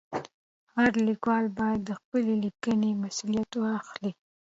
هر لیکوال باید د خپلې لیکنې مسؤلیت واخلي.